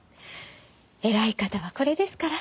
偉い方はこれですから。